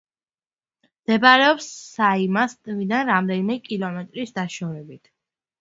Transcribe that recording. მდებარეობს საიმას ტბიდან რამდენიმე კილომეტრის დაშორებით.